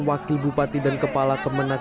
wakil bupati dan kepala kemenang